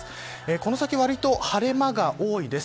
この先わりと晴れ間が多いです。